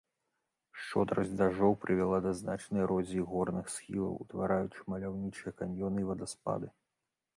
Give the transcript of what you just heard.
Шчодрасць дажджоў прывяла да значнай эрозіі горных схілаў, утвараючы маляўнічыя каньёны і вадаспады.